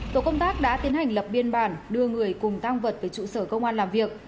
tổ công tác đã tiến hành lập biên bản đưa người cùng tăng vật về trụ sở công an làm việc